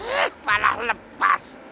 eh kepala lepas